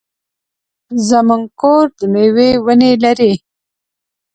زمونږ کور د مېوې ونې لري.